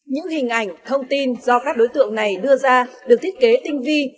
những hình ảnh thông tin do các đối tượng này đưa ra được thiết kế tinh vi